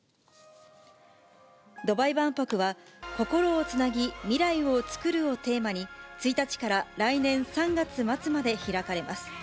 ドバイ万博は、心をつなぎ、未来を創るをテーマに、１日から来年３月末まで開かれます。